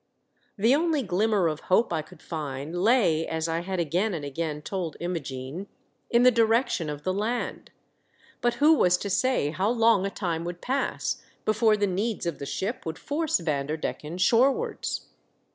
The only glimmer of hope I could find lay, as I had again and again told Imogene, in the direction of the land. But who was to say how long a time would pass before the needs of the ship would force Vanderdecken shore wards